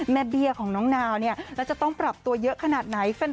เบี้ยของน้องนาวเนี่ยแล้วจะต้องปรับตัวเยอะขนาดไหน